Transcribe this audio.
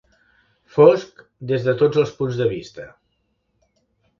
Fosc des de tots els punts de vista.